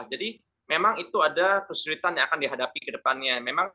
jadi memang itu ada kesulitan yang akan dihadapi ke depannya